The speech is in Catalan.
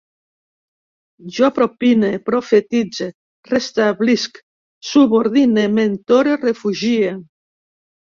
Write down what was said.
Jo propine, profetitze, restablisc, subordine, mentore, refugie